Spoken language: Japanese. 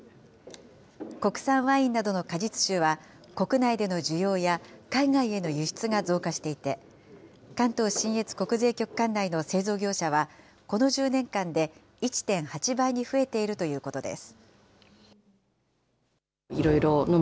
国産ワインなどの果実酒は、国内での需要や、海外への輸出が増加していて、関東信越国税局管内の製造業者は、この１０年間で１．８倍に増えているということです。